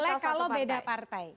boleh kalau beda partai